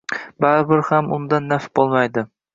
Baribir ham undan naf boʻlmaydi